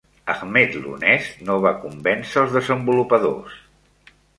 Ahmed l'honest no va convèncer els desenvolupadors.